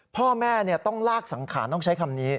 พ่อแม่ต้องลากสังขารต้องใช้คำนี้